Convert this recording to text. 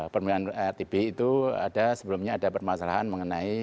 pemilihan rtb itu ada sebelumnya ada permasalahan mengenai